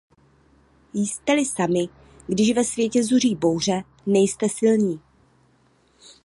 Jste-li sami, když ve světě zuří bouře, nejste silní.